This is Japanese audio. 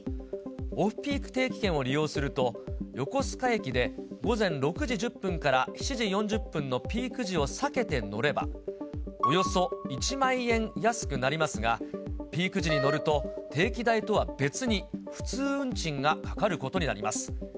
オフピーク定期券を利用すると、横須賀駅で午前６時１０分から７時４０分のピーク時を避けて乗れば、およそ１万円安くなりますが、ピーク時に乗ると、定期代とは別に普通運賃がかかることになります。